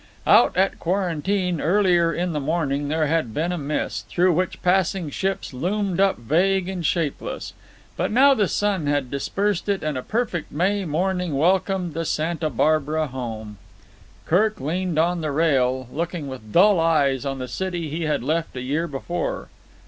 Out at quarantine earlier in the morning there had been a mist, through which passing ships loomed up vague and shapeless; but now the sun had dispersed it and a perfect May morning welcomed the Santa Barbara home. Kirk leaned on the rail, looking with dull eyes on the city he had left a year before.